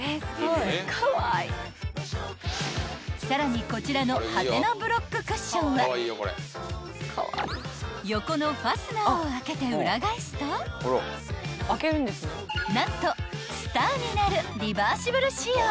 ［さらにこちらのハテナブロッククッションは横のファスナーを開けて裏返すと何とスターになるリバーシブル仕様］